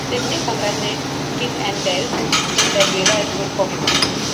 Sydney congratulates Kid and tells him that Veda is good for him.